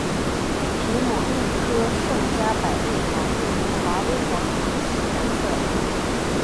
皮姆利科圣加百列堂位于华威广场西南侧。